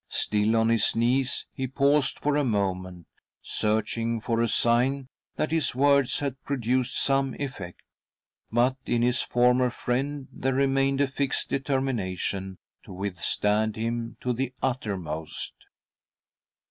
Still on his knees, he paused for a moment, searching for a sign that his words had produced, some effect;' but in his former friend there remained a fixed determination to withstand him to the uttermost.